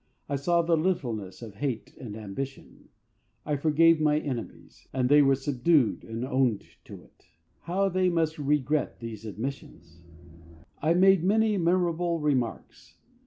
I saw the littleness of hate and ambition. I forgave my enemies, and they were subdued and owned to it. How they must regret these admissions! I made many memorable remarks.